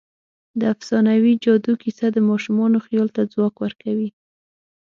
د افسانوي جادو کیسه د ماشومانو خیال ته ځواک ورکوي.